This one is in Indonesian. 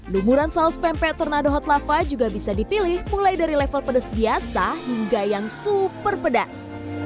lumuran saus pempek tornado hot lava juga bisa dipilih mulai dari level pedas biasa hingga yang super pedas